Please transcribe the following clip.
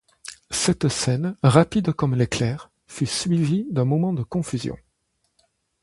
Cette scène, rapide comme l’éclair, fut suivie d’un moment de confusion.